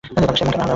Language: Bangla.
এমন কেন হল।